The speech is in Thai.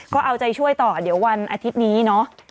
ก็เอาใจช่วยต่อเดี๋ยววันอาทิตย์นี้เนาะ